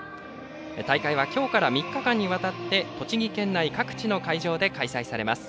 大会は今日から３日間にわたって栃木県内各地の会場で開催されます。